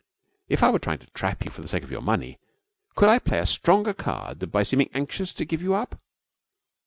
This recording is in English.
If I were trying to trap you for the sake of your money, could I play a stronger card than by seeming anxious to give you up?